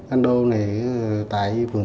ando này tại phường tám